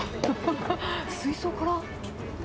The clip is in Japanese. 水槽から？